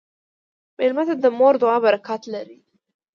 مېلمه ته د مور دعا برکت لري.